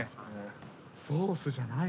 ソースじゃないの？